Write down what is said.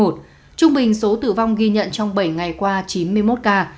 trung bình số tử vong ghi nhận trong bảy ngày qua chín mươi một ca